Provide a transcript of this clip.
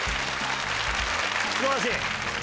素晴らしい！